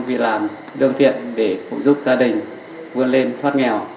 vì làm đơn tiện để giúp gia đình vươn lên thoát nghèo